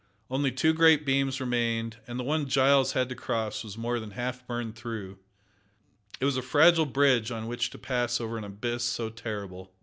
Only two great beams remained, and the one Giles had to cross was more than half burned through. It was a fragile bridge on which to pass over an abyss so terrible.